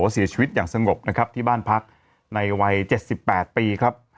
เสียชีวิตอย่างสงบนะครับที่บ้านพักในวัย๗๘ปีครับ